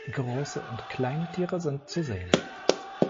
Große und kleine Tiere sind zu sehen.